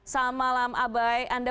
selamat malam abai anda